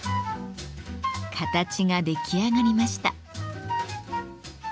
形が出来上がりました。